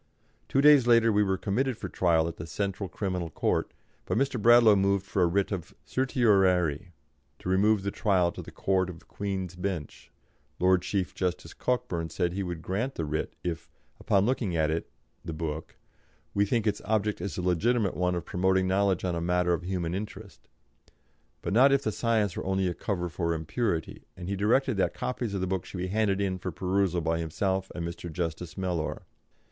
Two days later we were committed for trial at the Central Criminal Court, but Mr. Bradlaugh moved for a writ of certiorari to remove the trial to the Court of Queen's Bench; Lord Chief Justice Cockburn said he would grant the writ if "upon looking at it (the book), we think its object is the legitimate one of promoting knowledge on a matter of human interest," but not if the science were only a cover for impurity, and he directed that copies of the book should be handed in for perusal by himself and Mr. Justice Mellor.